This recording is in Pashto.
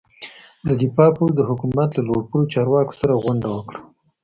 د دفاع پوځ د حکومت له لوړ پوړو چارواکو سره غونډه وکړه.